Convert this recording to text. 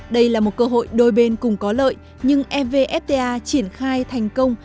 đây là một cơ hội đôi bên cùng có lợi nhưng evfta triển khai thành công